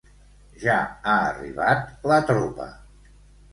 Ja ha arribat la tropa.